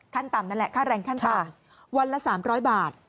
ขั้นต่ำนั่นแหละค่าแรงขั้นต่ำวันละ๓๐๐บาท